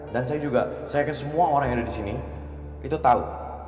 dan saya juga saya yakin semua orang yang ada di sini itu tahu